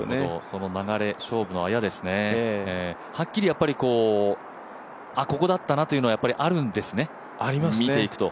その流れ、勝負のあやですねはっきり、あ、ここだったなというのはあるんですね、見ていくと。